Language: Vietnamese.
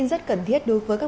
đối với khí tuân